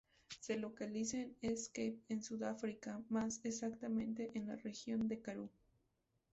Se localiza en East Cape, en Sudáfrica, más exactamente en la región de Karoo.